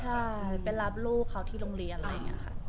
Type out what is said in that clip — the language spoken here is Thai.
ใช่ไปรับลูกเขาที่โรงเรียนอะไรอย่างนี้ค่ะ